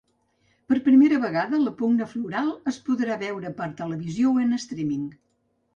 Per primera vegada, la pugna floral es podrà veure per televisió o en streaming.